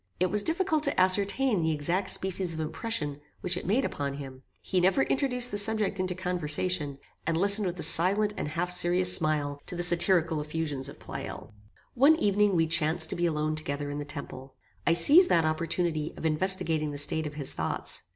It was difficult to ascertain the exact species of impression which it made upon him. He never introduced the subject into conversation, and listened with a silent and half serious smile to the satirical effusions of Pleyel. One evening we chanced to be alone together in the temple. I seized that opportunity of investigating the state of his thoughts.